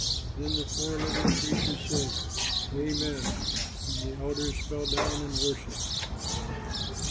Then the four living creatures said, "Amen," and the elders fell down and worshipped.